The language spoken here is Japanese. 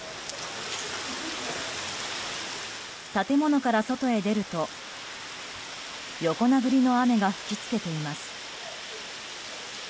建物から空へ出ると横殴りの雨が吹き付けています。